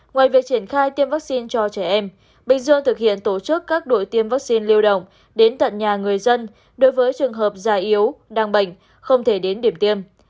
ngoài việc triển khai tiêm vaccine cho trẻ em bình dương thực hiện tổ chức các đội tiêm vaccine lưu động đến tận nhà người dân đối với trường hợp già yếu đang bệnh không thể đến điểm tiêm